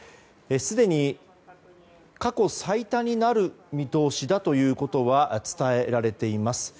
すでに、過去最多になる見通しだということは伝えられています。